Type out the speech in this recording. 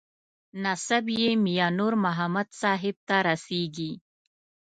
نسب یې میانور محمد صاحب ته رسېږي.